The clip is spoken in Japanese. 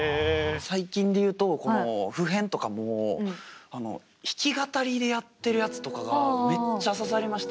最近で言うとこの「普変」とかも弾き語りでやってるやつとかがめっちゃ刺さりました。